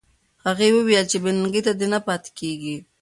هغې وویل چې بې ننګۍ ته نه پاتې کېږي.